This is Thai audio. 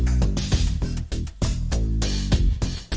เมื่อกี้ก็ไม่มีเมื่อกี้